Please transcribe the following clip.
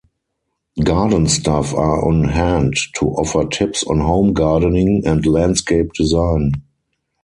Garden staff are on hand to offer tips on home gardening and landscape design.